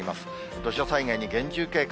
土砂災害に厳重警戒。